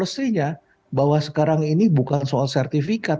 dan kelesenya bahwa sekarang ini bukan soal sertifikat